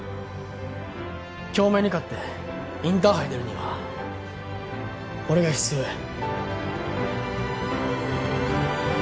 京明に勝ってインターハイ出るには俺が必要や。